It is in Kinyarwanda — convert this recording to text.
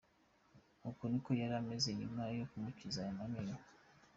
Uku niko yari ameze nyuma yo kumukiza aya menyo.